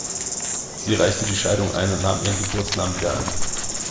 Sie reichte die Scheidung ein und nahm ihren Geburtsnamen wieder an.